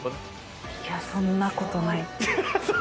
いやそんなことない。